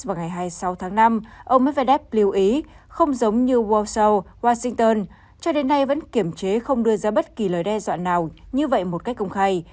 vào ngày hai mươi sáu tháng năm ông medvedev lưu ý không giống như world show washington cho đến nay vẫn kiểm chế không đưa ra bất kỳ lời đe dọa nào như vậy một cách công khai